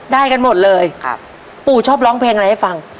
ได้กันหมดเลยครับปู่ชอบร้องเพลงอะไรให้ฟัง